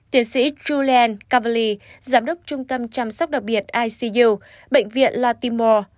tiến sĩ julien cavalli giám đốc trung tâm chăm sóc đặc biệt icu bệnh viện latimore